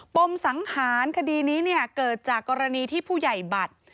มสังหารคดีนี้เกิดจากกรณีที่ผู้ใหญ่บัตร